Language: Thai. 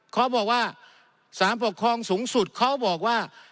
เขาบอกว่าสารปกครองสูงสุดเขาบอกว่า